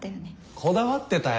こだわってたよ。